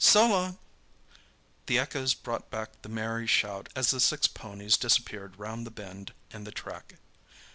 "So long!" The echoes brought back the merry shout as the six ponies disappeared round the bend in the track.